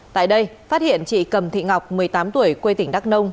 tại đây phát hiện chị cầm thị ngọc một mươi tám tuổi quê tỉnh đắk nông